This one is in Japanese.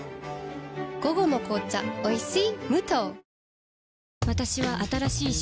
午後の紅茶おいしい